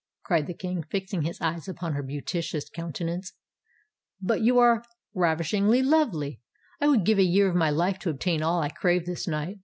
cried the King, fixing his eyes upon her beauteous countenance; "for you are ravishingly lovely! I would give a year of my life to obtain all I crave this night.